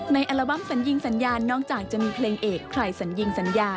อัลบั้มสัญญิงสัญญาณนอกจากจะมีเพลงเอกใครสัญญิงสัญญา